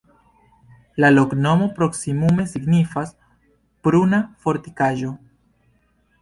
La loknomo proksimume signifas: pruna-fortikaĵo.